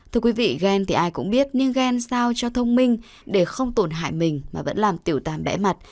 thưa quý vị ghen thì ai cũng biết nhưng ghen sao cho thông minh để không tổn hại mình mà vẫn làm tiểu tàm bẽ mặt